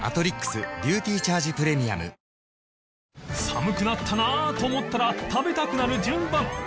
寒くなったなあと思ったら食べたくなる順番